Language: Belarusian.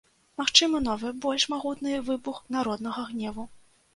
Магчымы новы, больш магутны выбух народнага гневу.